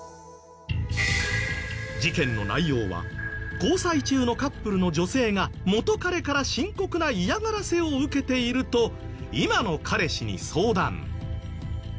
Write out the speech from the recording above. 事件の内容は交際中のカップルの女性が元カレから深刻な嫌がらせを受けていると今の彼氏に相談。